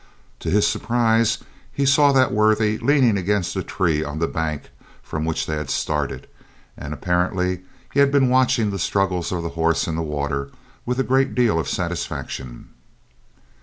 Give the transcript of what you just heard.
To his surprise he saw that worthy leaning against a tree on the bank from which they had started, and apparently he had been watching the struggles of the horse in the water with a great deal of satisfaction.